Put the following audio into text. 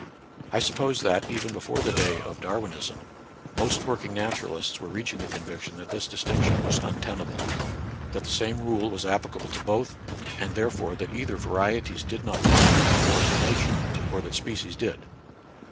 I suppose that, even before the day of Darwin ism, most working naturahsts were reaching the conviction that this distinction was untenable ; that the same rule was applicable to both ; and therefore that either varieties did not come in the course of nature, or that species did.